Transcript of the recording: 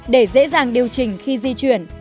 để dễ dàng điều chỉnh khi di chuyển